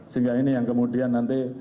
sehingga ini yang kemudian nanti